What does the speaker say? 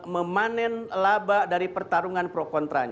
memanen laba dari pertarungan pro kontra